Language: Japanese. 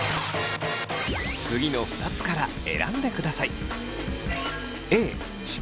次の２つから選んでください。